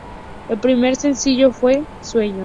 El primer sencillo fue "Sueños".